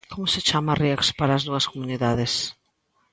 Como se chama a ría que separa as dúas comunidades?